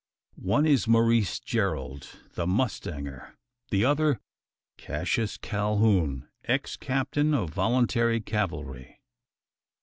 One is Maurice Gerald, the mustanger, the other Cassius Calhoun, ex captain of volunteer cavalry.